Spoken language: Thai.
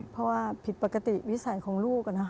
เพราะว่าผิดปกติวิสัยของลูก